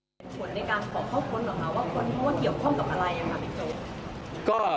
ว่าคนพ่อเที่ยวพร่อมกับอะไรนะครับ